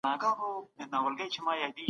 ټولنه له يوې مرحلې بلې ته ځي.